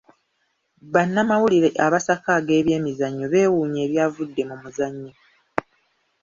Bannamawulire abasaka ag'ebyemizannyo beewuunya ebyavudde mu muzannyo.